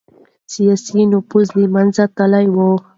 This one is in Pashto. سياسي نفوذ له منځه تللی و.